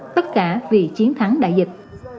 tất cả vì chiến thắng đại dịch